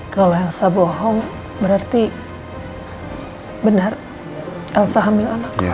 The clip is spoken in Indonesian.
kalau elsa bohong berarti benar elsa hamil anak